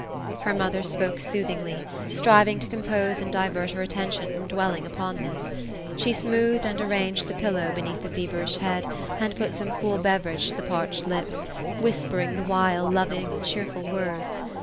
Her mother spoke soothingly ; striving to compose and divert her attention from dwelling upon this. She smoothed and arranged the pil low beneath the feverish head ; she put some cool beverage to the parch ed lips, whispering the while, loving, cheerful words.